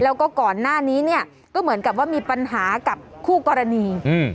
แล้วก็ก่อนหน้านี้เนี่ยก็เหมือนกับว่ามีปัญหากับคู่กรณีอืม